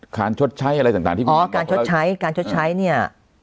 การชดใช้อะไรต่างต่างที่อ๋อการชดใช้การชดใช้เนี้ย